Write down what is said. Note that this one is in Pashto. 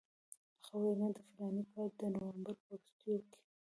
هغه وینا د فلاني کال د نومبر په وروستیو کې.